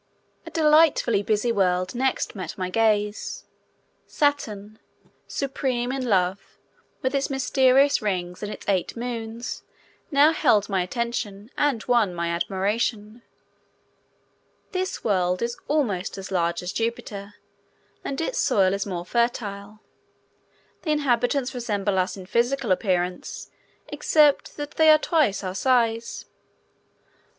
A delightfully busy world next met my gaze. Saturn, supreme in love, with its mysterious rings and its eight moons, now held my attention and won my admiration. This world is almost as large as Jupiter, and its soil is more fertile. The inhabitants resemble us in physical appearance, except that they are twice our size.